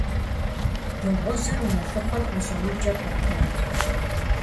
Дыгъужьыр мэлыхъуэм ӀэщӀэукӀэ пэтащ.